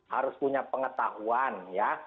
harus punya pengetahuan ya